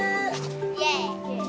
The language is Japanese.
イエイ。